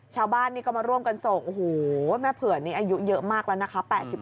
ชาวบ้านนี่ก็มาร่วมกันส่งโอ้โหแม่เผื่อนี้อายุเยอะมากแล้วนะคะ